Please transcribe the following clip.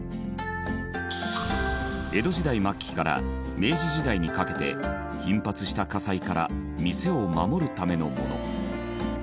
江戸時代末期から明治時代にかけて頻発した火災から店を守るためのもの。